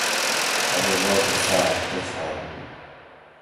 ارو باچہ صاۤب کہ چھاۤل ھو؟ٰ